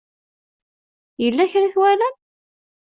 Yella kra i twalam?